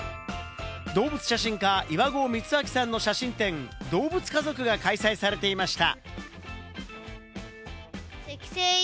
動物写真家・岩合光昭さんの写真展「どうぶつ家族」が開催されていました。